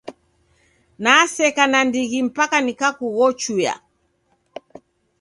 Naseka nandighi mpaka nikakughochuya.